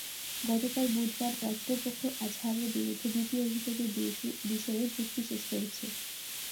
গতকাল বুধবার রাষ্ট্রপক্ষ আজহারের বিরুদ্ধে দ্বিতীয় অভিযোগের বিষয়ে যুক্তি শেষ করেছে।